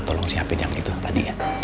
tolong siapin yang itu yang tadi ya